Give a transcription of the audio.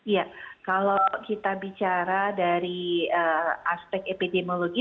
ya kalau kita bicara dari aspek epidemiologi